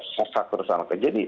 faktor faktor yang terjadi